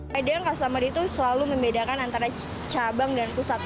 pada yang kasus sama itu selalu membedakan antara cabang dan pusat